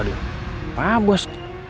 waduh apa bos